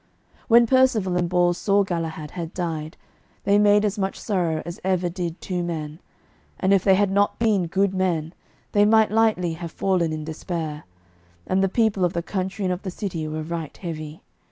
When Percivale and Bors saw Galahad had died, they made as much sorrow as ever did two men; and if they had not been good men, they might lightly have fallen in despair. And the people of the country and of the city were right heavy.